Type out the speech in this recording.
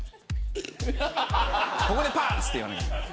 ここでパンツって言わなきゃいけない。